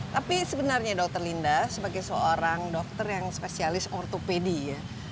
tapi sebenarnya dokter linda sebagai seorang dokter yang spesialis ortopedi ya